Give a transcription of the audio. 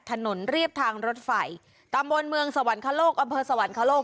ถนนเรียบทางรถไฟตำบลเมืองสวรรคโลกอำเภอสวรรคโลก